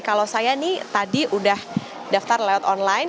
kalau saya nih tadi udah daftar lewat online